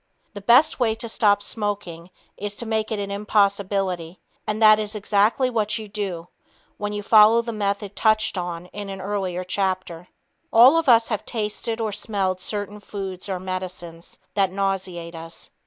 The best way to stop smoking is to make it an impossibility, and that is exactly what you do when you follow the method touched on in an earlier chapter. All of us have tasted or smelled certain foods or medicines that nauseate us.